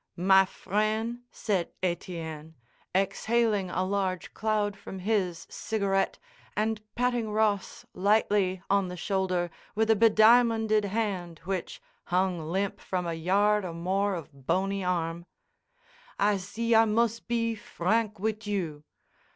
"My fren'," said Etienne, exhaling a large cloud from his cigarette and patting Ross lightly on the shoulder with a bediamonded hand which, hung limp from a yard or more of bony arm, "I see I mus' be frank with you.